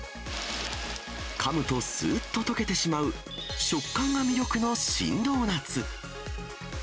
かむとすーっと溶けてしまう、食感が魅力の新ドーナツ。